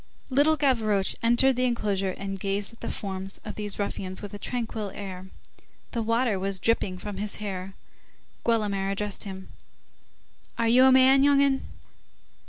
Little Gavroche entered the enclosure and gazed at the forms of these ruffians with a tranquil air. The water was dripping from his hair. Guelemer addressed him:— "Are you a man, young 'un?"